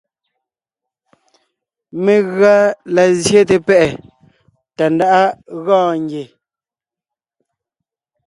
Megʉa la zsyete pɛ́ʼɛ Tàndáʼa gɔɔn ngie.